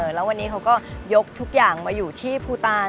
แล้ววันนี้เขาก็ยกทุกอย่างมาอยู่ที่ภูตาน